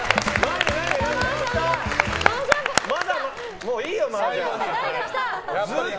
もういいよ！